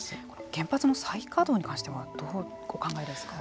原発の再可動に関してはどうお考えですか。